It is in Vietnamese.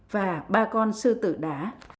và ba con sư tử đá